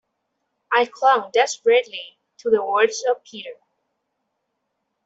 I clung desperately to the words of Peter.